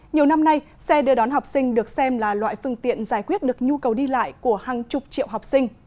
nhiều năm nay xe đưa đón học sinh được xem là loại phương tiện giải quyết được nhu cầu đi lại của hàng chục triệu học sinh